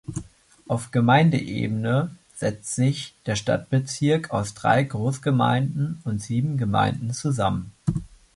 Auf Gemeindeebene setzt sich der Stadtbezirk aus drei Großgemeinden und sieben Gemeinden zusammen.